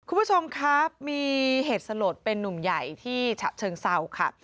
คุณผู้ชมครับมีเหตุสลดเป็นนุ่มใหญ่ที่ฉะเชิงเศร้าค่ะ